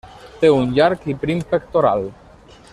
Té un llarg i prim pectoral.